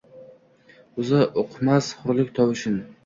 Oʻzi uqmas hurlik tovushin.